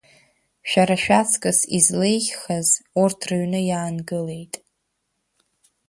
Шәара шәаҵкыс излеиӷьхаз, урҭ рыҩны иаангылеит!